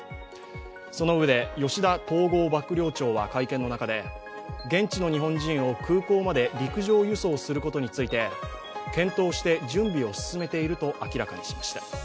そのうえで、吉田統合幕僚長は会見の中で、現地の日本人を空港まで陸上輸送することについて、検討して準備を進めていると明らかにしました。